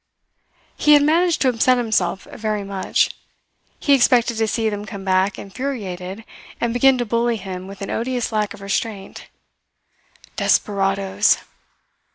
He had managed to upset himself very much. He expected to see them come back infuriated and begin to bully him with an odious lack of restraint. Desperadoes!